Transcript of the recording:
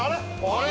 あれ！？